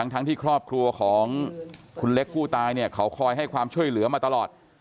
ทั้งที่ครอบครัวของคุณเล็กผู้ตายเนี่ยเขาคอยให้ความช่วยเหลือมาตลอด